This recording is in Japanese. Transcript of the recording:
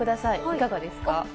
いかがですか？